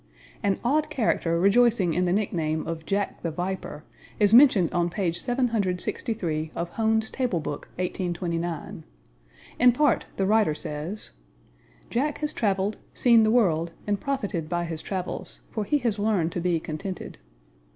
An odd character, rejoicing in the nick name of Jack the Viper, is mentioned on page 763 of Hone's Table Book, 1829. In part the writer says: Jack has traveled, seen the world, and profited by his travels; for he has learned to be contented.